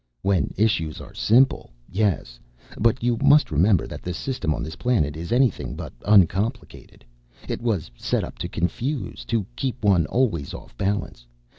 "When issues are simple, yes. But you must remember that the system on this planet is anything but uncomplicated. It was set up to confuse, to keep one always off balance.